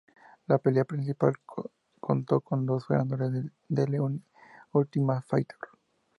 La pelea principal contó con dos ganadores del The Ultimate Fighter.